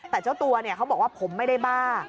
แต่เจ้าตัวเขาบอกว่าผมไม่ได้บ้า